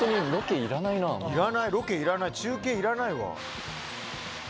いらないロケいらない中継いらないわ。